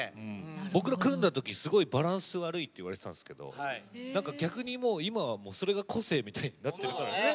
僕ら組んだときすごいバランス悪いって言われてたんですけど逆に今は、それが個性みたいになってるからね。